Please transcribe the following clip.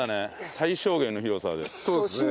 最小限の広さで。